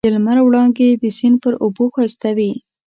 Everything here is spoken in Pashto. د لمر وړانګې د سیند پر اوبو ښایسته وې.